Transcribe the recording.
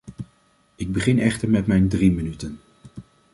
Ik begin echter met mijn drie minuten.